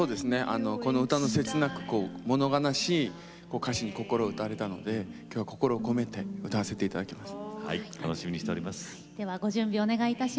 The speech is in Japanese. この歌の切なく、もの悲しい歌詞に心を打たれたのできょうは心を込めて歌わせていただきます。